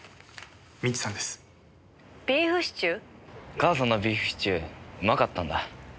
母さんのビーフシチューうまかったんだ。